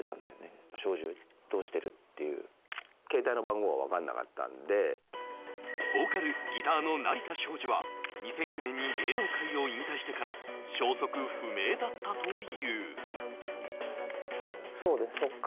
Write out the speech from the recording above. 中居が迫るボーカル・ギターの成田昭次は２００９年に芸能界を引退してから消息不明だったというそうですね